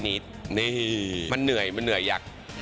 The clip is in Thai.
นี่มันเหนื่อยยักษ์